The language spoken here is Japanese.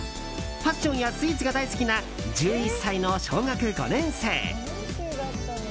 ファッションやスイーツが大好きな１１歳の小学５年生。